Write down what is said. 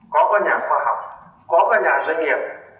có nhà khoa học có nhà doanh nghiệp